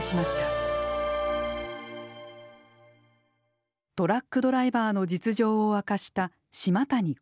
トラックドライバーの実情を明かした島谷浩一さん。